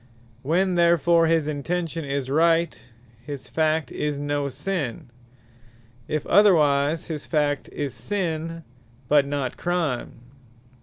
When therefore his Intention is Right, his fact is no Sinne: if otherwise, his fact is Sinne; but not Crime.